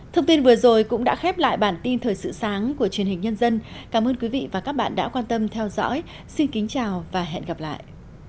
thông tin vừa rồi cũng đã khép lại bản tin thời sự sáng của truyền hình nhân dân cảm ơn quý vị và các bạn đã quan tâm theo dõi xin kính chào và hẹn gặp lại